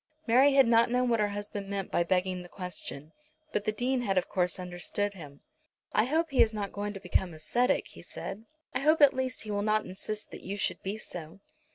Mary had not known what her husband meant by begging the question, but the Dean had of course understood him. "I hope he is not going to become ascetic," he said. "I hope at least that he will not insist that you should be so."